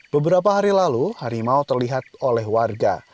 beberapa hari lalu harimau terlihat oleh warga